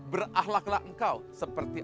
berahlaklah engkau seperti